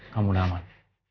kamu udah aman